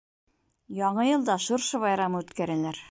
Яңы йылда шыршы байрамы үткәрәләр